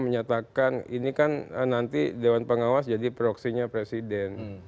menyatakan ini kan nanti dewan pengawas jadi proksinya presiden